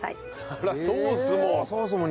あらソースも。